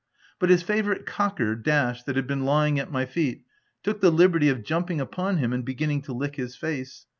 But his favourite cocker, Dash, that had been lying at my feet, took the liberty of jumping upon him and beginning to lick his face.